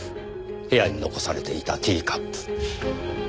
部屋に残されていたティーカップ。